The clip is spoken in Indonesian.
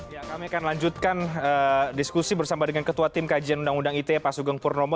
ya kami akan lanjutkan diskusi bersama dengan ketua tim kajian undang undang ite pak sugeng purnomo